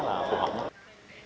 với một giá phù hợp